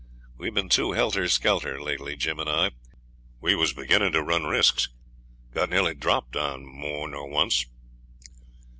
We've been too helter skelter lately, Jim and I. We was beginning to run risks, got nearly dropped on more nor once.'